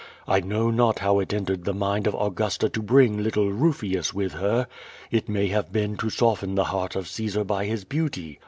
I know not how it en tered the mind of Augusta to bring little Rufius with her. It may have been to soften the heart of Caesar by his beauty.